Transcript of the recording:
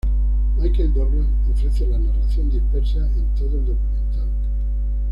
Michael Douglas ofrece la narración dispersa en todo el documental.